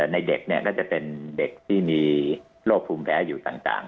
เด็กก็จะเป็นเด็กที่มีโรคภูมิแพ้อยู่ต่าง